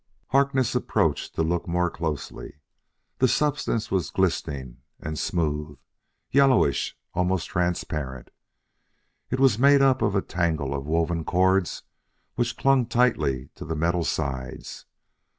Harkness approached to look more closely. The substance was glistening and smooth yellowish almost transparent. It was made up of a tangle of woven cords which clung tightly to the metal sides.